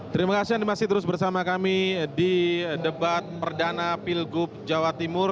terima kasih anda masih terus bersama kami di debat perdana pilgub jawa timur